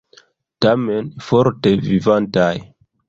Tamen forte vivantaj!